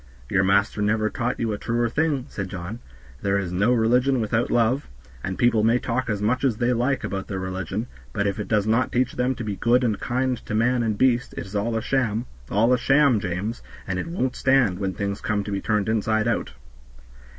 "Your master never taught you a truer thing," said John; "there is no religion without love, and people may talk as much as they like about their religion, but if it does not teach them to be good and kind to man and beast it is all a sham all a sham, James, and it won't stand when things come to be turned inside out."